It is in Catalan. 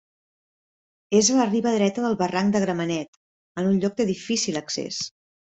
És a la riba dreta del barranc de Gramenet, en un lloc de difícil accés.